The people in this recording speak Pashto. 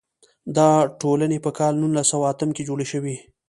دا ټولنې په کال نولس سوه اتم کې جوړې شوې.